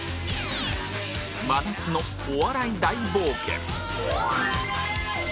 真夏のお笑い大冒険